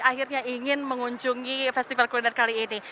akhirnya ingin mengunjungi festival kuliner kali ini